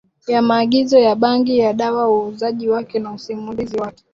ya maagizo ya bangi ya dawa uuzaji wake na usimamizi wake